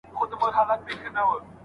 وخت د هر څه پرده پورته کوي.